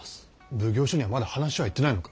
奉行所にはまだ話はいってないのか？